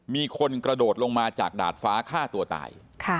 มีคนกระโดดลงมาจากดาดฟ้าฆ่าตัวตาย